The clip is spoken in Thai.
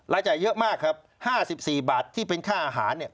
รายจ่ายเยอะมากครับห้าสิบสี่บาทที่เป็นค่าอาหารเนี่ย